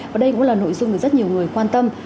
và đây cũng là nội dung được rất nhiều người quan tâm